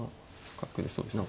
角でそうですね。